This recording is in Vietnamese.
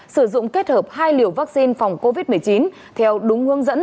sử dụng kết hợp hai liều vaccine phòng covid một mươi chín theo đúng hướng dẫn